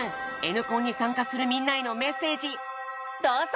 Ｎコンに参加するみんなへのメッセージどうぞ！